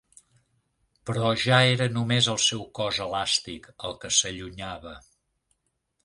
Però ja era només el seu cos elàstic, el que s'allunyava.